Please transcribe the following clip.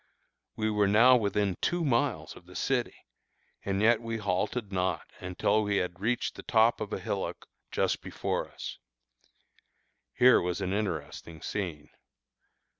We were now within two miles of the city, and yet we halted not until we had reached the top of a hillock just before us. Here was an interesting scene.